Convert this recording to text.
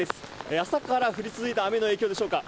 朝から降り続いた雨の影響でしょうか。